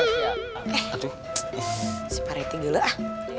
eh si pak rete dulu ah